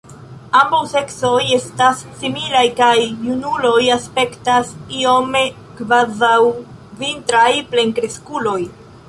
Ambaŭ seksoj estas similaj kaj junuloj aspektas iome kvazaŭ vintraj plenkreskuloj.